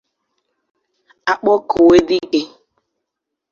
Akpọkuodike